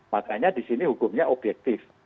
makanya disini hukumnya objektif